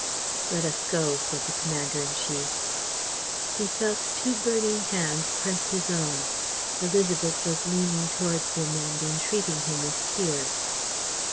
"Let us go," said the commander in chief. He felt two burning hands press his own. Élisabeth was leaning towards him and entreating him with tears.